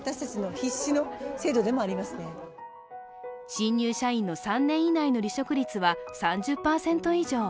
新入社員の３年以内の離職率は３０％以上。